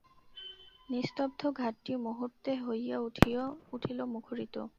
নিস্তব্ধ ঘাটটি মুহুর্তে হইয়া উঠিল মুখরিত।